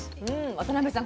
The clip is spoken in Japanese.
渡辺さん